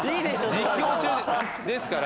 実況中ですから。